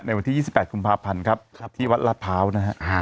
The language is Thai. ในวันที่๒๘คุมภาพันธ์ครับครับที่วัดรัดเผานะฮะอ่า